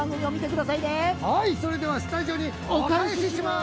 ◆それではスタジオにお返しします。